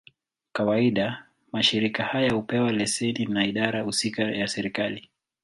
Kawaida, mashirika haya hupewa leseni na idara husika ya serikali.